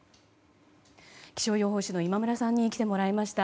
気象予報士の今村さんに来てもらいました。